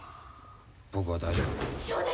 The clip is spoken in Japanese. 僕は大丈夫や。